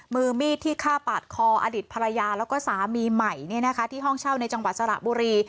มือมีดที่ฆ่าปาดคออดีตภรรยาแล้วก็สามีใหม่ที่ห้องเช่าในจังหวัดสระบุรี